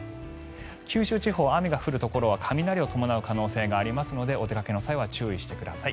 九州地方雨が降るところは雷を伴う可能性がありますのでお出かけの際は注意してください。